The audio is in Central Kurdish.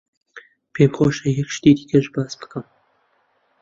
پێم خۆشە یەک شتی دیکەش باس بکەم.